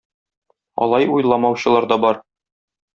Алай уйламаучылар да бар.